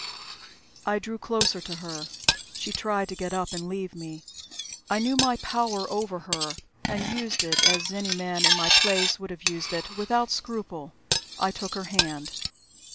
I drew closer to her. She tried to get up and leave me. I knew my power over her, and used it (as any man in my place would have used it) without scruple. I took her hand.